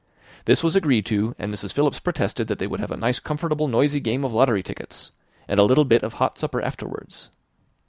This was agreed to; and Mrs. Philips protested that they would have a nice comfortable noisy game of lottery tickets, and a little bit of hot supper afterwards.